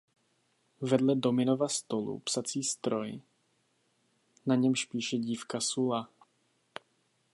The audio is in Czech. Vedle Dominova stolu psací stroj, na němž píše dívka Sulla.